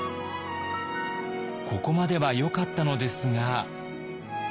ここまではよかったのですが。